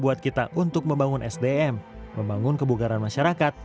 untuk membangun sdm membangun kebugaran masyarakat